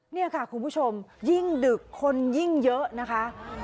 นี่ค่ะคุณผู้ชมยิ่งดึกคนยิ่งเยอะนะคะ